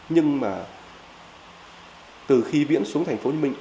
nhưng mà từ khi viễn xuống thành phố hồ chí minh